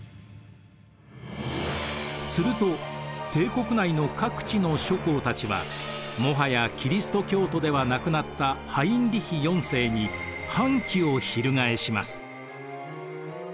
すると帝国内の各地の諸侯たちはもはやキリスト教徒ではなくなったハインリヒ４世に反旗を翻します。